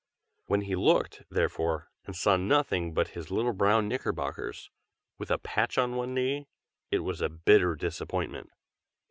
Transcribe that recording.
When he looked, therefore, and saw nothing but his little brown knickerbockers, with a patch on each knee, it was a bitter disappointment.